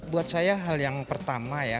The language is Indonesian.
buat saya hal yang pertama ya